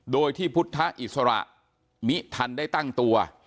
โดยที่พุทธอิสระมิทันได้ตั้งตัว